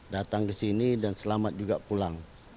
datang ke sini dan selamat juga pulang